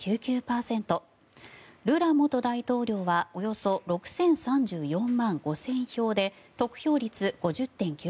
ルラ元大統領はおよそ６０３４万５０００票で得票率５０．９％。